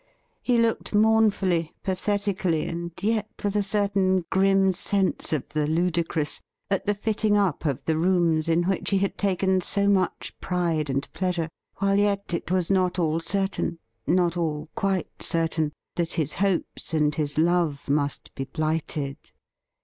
He looked mournfully, pathetically, and yet with a certain grim sense of the ludicrous, at the fitting up of the rooms in which he had taken so much pride and pleasure, while yet it was not all certain — not all quite certain — that his hopes and his love must be blighted.